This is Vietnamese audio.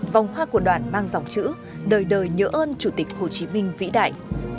vòng hoa của đoàn mang dòng chữ đời đời nhớ ơn chủ tịch hồ chí minh vĩ đại